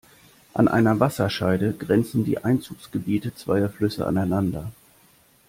An einer Wasserscheide grenzen die Einzugsgebiete zweier Flüsse aneinander.